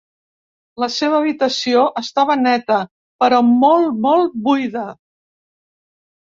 La seva habitació estava neta, però molt, molt buida.